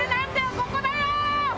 ここだよ！